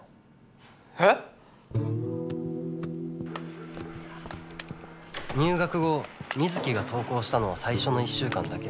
えっ？入学後水城が登校したのは最初の１週間だけ。